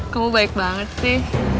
kamu baik banget sih